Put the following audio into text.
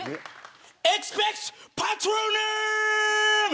エクスペクト・パトローナム。